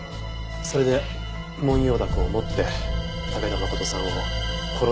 それでモンヨウダコを持って武田誠さんを殺しに行ったんですね？